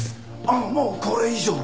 「ああもうこれ以上」